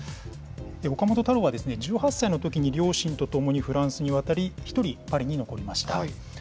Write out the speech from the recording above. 岡本太郎は１８歳のときに両親と共にフランスに渡り、１人、パリに残りました。